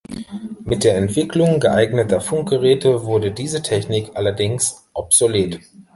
Mit der Entwicklung geeigneter Funkgeräte wurde diese Technik allerdings obsolet.